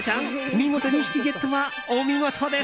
見事２匹ゲットはお見事です。